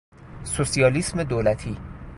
سوسیالیسم دولتی